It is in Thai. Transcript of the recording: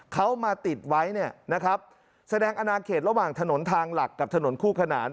เขามาติดไว้แสดงอนาเกตระหว่างถนนทางหลักถนนคู่ขนาน